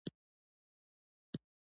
کلیمه له حروفو څخه جوړه ده.